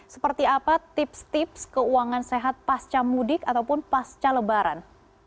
seperti apa tips tips keuangan sehat pasca mudik ataupun pasca lebaran